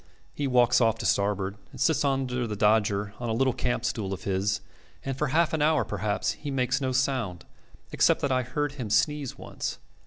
He walks off to starboard, and sits under the dodger on a little campstool of his, and for half an hour perhaps he makes no sound, except that I heard him sneeze once.